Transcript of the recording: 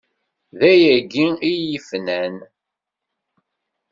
D ayagi i yi-fnan!